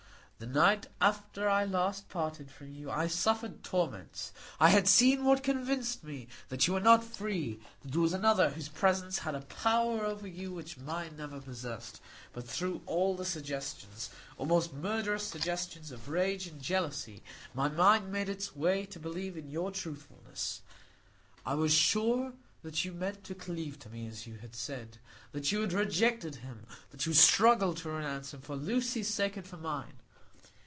The night after I last parted from you I suffered torments. I had seen what convinced me that you were not free; that there was another whose presence had a power over you which mine never possessed; but through all the suggestions—almost murderous suggestions—of rage and jealousy, my mind made its way to believe in your truthfulness. I was sure that you meant to cleave to me, as you had said; that you had rejected him; that you struggled to renounce him, for Lucy's sake and for mine.